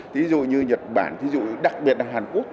thí dụ như nhật bản thí dụ đặc biệt là hàn quốc